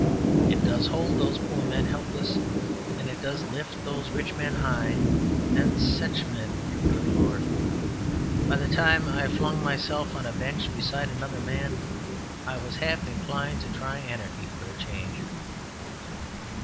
It does hold those poor men helpless: and it does lift those rich men high... and such men good Lord! By the time I flung myself on a bench beside another man I was half inclined to try anarchy for a change.